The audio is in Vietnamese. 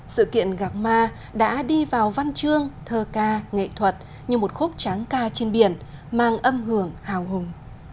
sự kiện gạc ma đã đi vào văn chương thơ ca nghệ thuật như một khúc tráng ca trên biển mang âm hưởng hào hùng